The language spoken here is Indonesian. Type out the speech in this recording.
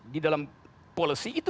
di dalam polisi itu